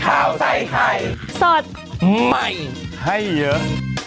ข้าวใส่ไข่สดใหม่ให้เยอะ